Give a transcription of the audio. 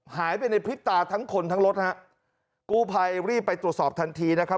หายไปในพริบตาทั้งคนทั้งรถฮะกู้ภัยรีบไปตรวจสอบทันทีนะครับ